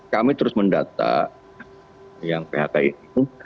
kami terus mendata yang phk itu